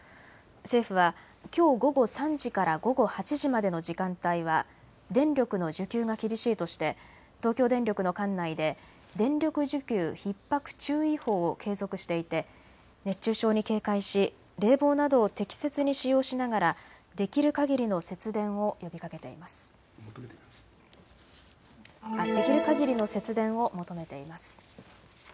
政府はきょう午後３時から午後８時までの時間帯は電力の需給が厳しいとして東京電力の管内で電力需給ひっ迫注意報を継続していて熱中症に警戒し冷房などを適切に使用しながらできるかぎりの節電を求めています。